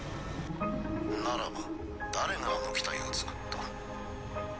ならば誰があの機体を造った？